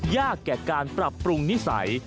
แก่การปรับปรุงนิสัย